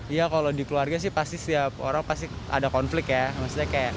iya kalau di keluarga sih pasti setiap orang pasti ada konflik ya